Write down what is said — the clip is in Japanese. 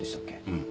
うん。